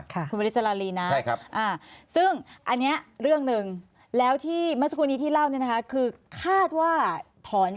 คุณวลิสราลีนะซึ่งอันนี้เรื่องหนึ่ง